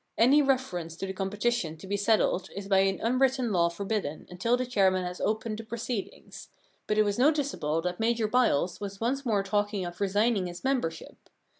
Any reference to the competi tion to be settled is by an unwritten law forbidden until the chairman has opened the proceedings, but it was noticeable that Major Byles was once more talking of resigning his membership.